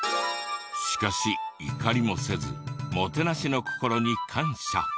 しかし怒りもせずもてなしの心に感謝。